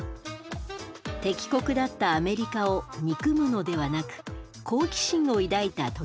敵国だったアメリカを憎むのではなく好奇心を抱いた常盤さん。